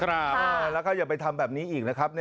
แล้วก็อย่าไปทำแบบนี้อีกนะครับ